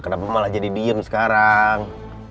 kenapa malah jadi diem sekarang